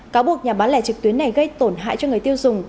cáo buộc nhà bán lẻ trực tuyến này gây tổn hại cho người tiêu dùng